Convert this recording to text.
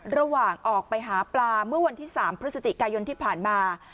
ระหว่างออกไปหาปลาเมื่อวันที่๓พฤศจิกายนที่ผ่านมา